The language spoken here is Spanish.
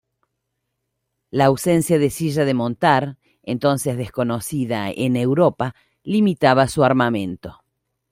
La ausencia de silla de montar, entonces desconocida en Europa, limitaba su armamento.